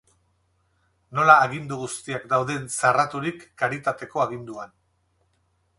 Nola agindu guztiak dauden zarraturik karitateko aginduan.